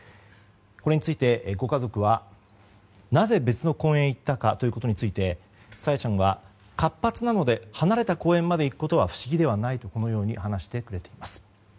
これについてご家族はなぜ別の公園へ行ったかということについて朝芽ちゃんは活発なので離れた公園に行くことは不思議ではないとこのように話しています。